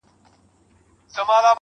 زه د یویشتم قرن ښکلا ته مخامخ یم.